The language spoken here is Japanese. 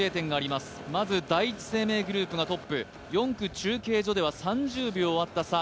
まず第一生命グループがトップ４区、中継所では３０秒あった差